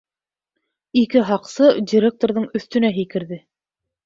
Ике һаҡсы директорҙың өҫтөнә һикерҙе.